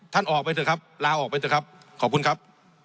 ท่านออกไปเถอะครับลาออกไปเถอะครับขอบคุณครับ